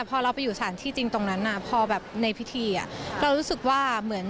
ไปฟังหน่อยซิเอายังไง